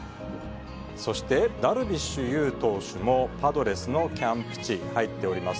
そして、ダルビッシュ有投手もパドレスのキャンプ地、入っております。